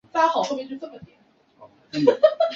氨基糖是一类羟基被氨基取代的糖类。